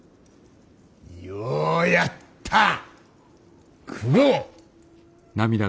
ようやった九郎。